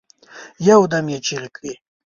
یو دم یې چیغي کړې